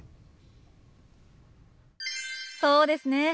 そうですね。